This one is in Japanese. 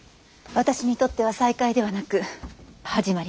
私にとっては再会ではなく始まりだった。